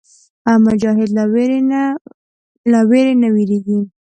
مجاهد له ویرې نه وېرېږي.